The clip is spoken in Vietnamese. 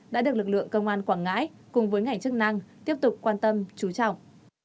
đã được lực lượng công an quảng ngãi cùng với ngành chức năng tiếp tục quan tâm chú trọng